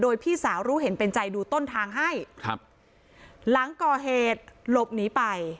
โดยพี่สาวรู้เห็นเป็นใจดูต้นทางให้ครับหลังก่อเหตุหลบหนีไป